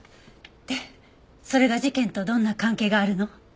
でそれが事件とどんな関係があるの？